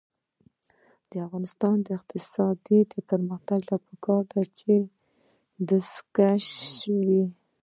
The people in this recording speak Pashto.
د افغانستان د اقتصادي پرمختګ لپاره پکار ده چې دستکشې وي.